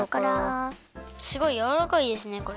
すごいやわらかいですねこれ。